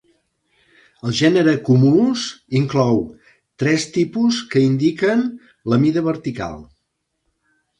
El gènere de cúmulus inclou tres tipus que indiquen la mida vertical.